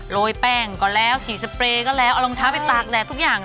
ยแป้งก็แล้วขี่สเปรย์ก็แล้วเอารองเท้าไปตากแดดทุกอย่าง